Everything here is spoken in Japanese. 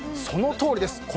そのとおりです。